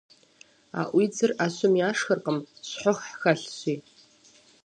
Аӏуудзыр ӏэщым яшхыркъым, щхъухь хэлъщи.